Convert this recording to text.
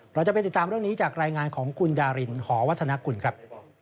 เราจะไปติดตามเรื่องนี้จากรายงานของคุณดารินหอวัฒนกุลครับ